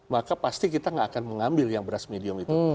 maka pasti kita nggak akan mengambil yang beras medium itu